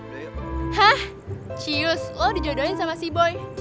hah cius lo dijodohin sama si boy